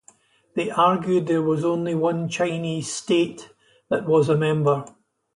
They argued there was only one Chinese state that was a member.